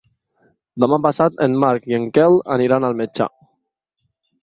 Demà passat en Marc i en Quel aniran al metge.